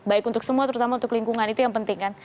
baik untuk semua terutama untuk lingkungan itu yang penting kan